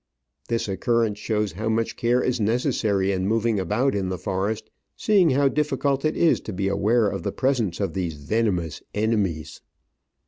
This occurrence shows how much care is necessary in moving about in the forest, seeing how difficult it is to be aware of the presence of these venomous enemies.